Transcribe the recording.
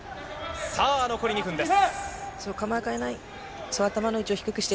さあ、残り２分です。